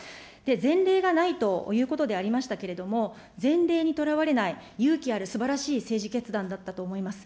前例がないということでありましたけれども、前例にとらわれない、勇気あるすばらしい政治決断だったと思います。